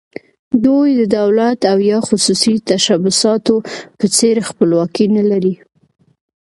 دوی د دولت او یا خصوصي تشبثاتو په څېر خپلواکي نه لري.